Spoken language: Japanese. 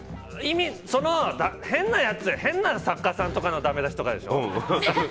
変なやつ、変な作家さんとかのだめだしとかでしょ。